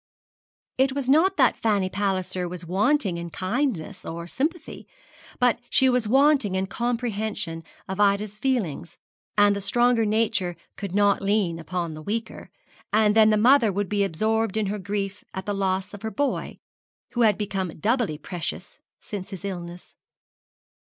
It was not that Fanny Palliser was wanting in kindness or sympathy, but she was wanting in comprehension of Ida's feelings, and the stronger nature could not lean upon the weaker; and then the mother would be absorbed in her grief at the loss of her boy, who had become doubly precious since his illness.